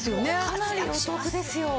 かなりお得ですよ。